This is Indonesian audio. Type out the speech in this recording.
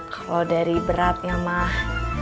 kalau dari beratnya mah